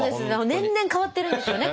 年々変わってるんですよね